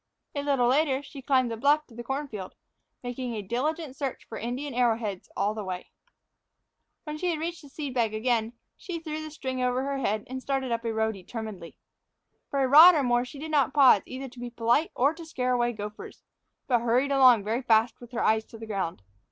A little later she climbed the bluff to the corn field, making a diligent search for Indian arrowheads all the way. When she reached the seed bag again, she threw the string over her head and started up a row determinedly. For a rod or more she did not pause either to be polite or to scare away gophers, but hurried along very fast, with her eyes to the ground.